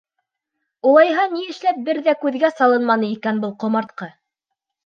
Улайһа, ни эшләп бер ҙә күҙгә салынманы икән был ҡомартҡы?